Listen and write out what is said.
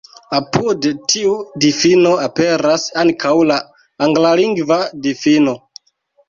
Apud tiu difino aperas ankaŭ la anglalingva difino.